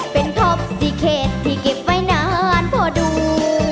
เป็นท็อป๔เขตที่เก็บไว้นานพอดู